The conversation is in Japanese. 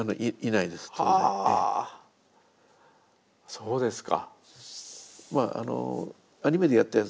そうですか。